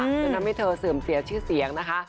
จนทำให้เธอเสื่อมเสียชื่อเสียงนะคะ